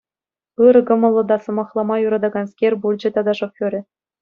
Ырӑ кӑмӑллӑ та сӑмахлама юратаканскер пулчӗ тата шоферӗ.